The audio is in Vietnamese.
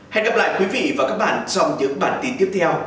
hẹn gặp lại quý vị và các bạn trong những bản tin tiếp theo